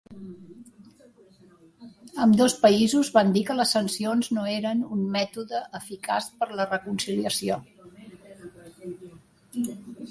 Ambdós països van dir que les sancions no eren un mètode eficaç per la reconciliació.